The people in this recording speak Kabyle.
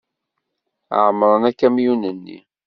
Ɛemmren akamyun-nni.